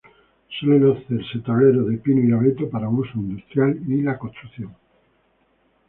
Suelen hacerse tableros de pino y abeto para uso industrial y la construcción.